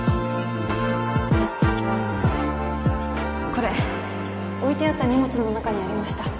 これ置いてあった荷物の中にありました